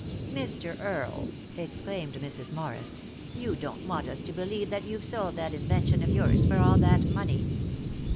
"Mr. Earle," exclaimed Mrs. Morris, "you don't want us to believe that you've sold that invention of yours for all that money